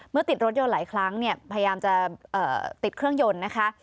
เมื่อติดรถโยนหลายครั้งพยายามจะติดเครื่องยนต์นะคะ